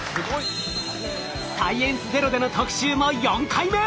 「サイエンスＺＥＲＯ」での特集も４回目！